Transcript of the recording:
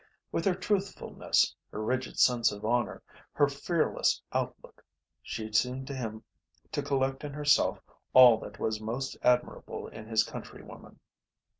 With her truthfulness, her rigid sense of honour, her fearless outlook, she seemed to him to collect in herself all that was most admirable in his countrywomen.